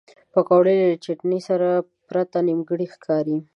پکورې له چټنې پرته نیمګړې ښکاري